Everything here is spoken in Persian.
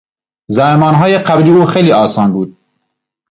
زایمانهای قبلی او خیلی آسان بود.